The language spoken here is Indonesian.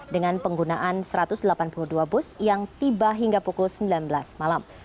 dengan penggunaan satu ratus delapan puluh dua bus yang tiba hingga pukul sembilan belas malam